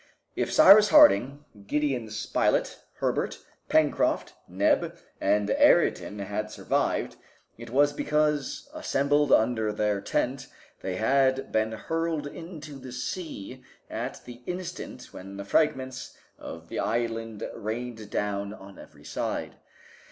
If Cyrus Harding, Gideon Spilett, Herbert, Pencroft, Neb, and Ayrton had survived, it was because, assembled under their tent, they had been hurled into the sea at the instant when the fragments of the island rained down on every side.